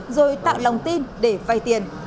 rồi tạo lòng tin để vay tiền